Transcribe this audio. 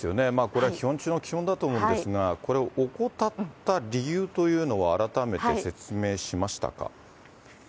これは基本中の基本だと思うんですが、これ、怠った理由というのは、改めて説明しましたか。